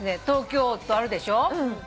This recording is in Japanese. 東京都あるでしょ？